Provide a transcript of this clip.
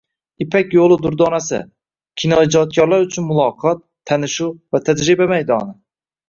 Ipak yo‘li durdonasi: Kinoijodkorlar uchun muloqot, tanishuv va tajriba maydoni